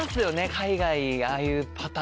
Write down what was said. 海外ああいうパターンも。